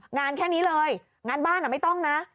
แค่นี้เลยงานบ้านไม่ต้องนะ